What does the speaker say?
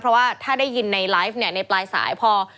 เพราะว่าถ้าได้ยินในไลฟ์เนี่ยในปลายสายพอ